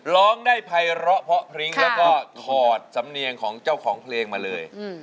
ร้องได้ภัยเลาะเพราะพริ้งแล้วก็ถอดสำเนียงของเจ้าของเพลงมาเลย